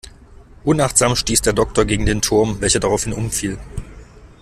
Unachtsam stieß der Doktor gegen den Turm, welcher daraufhin umfiel.